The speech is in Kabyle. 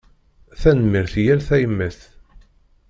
Tanemmirt i yal tayemmat.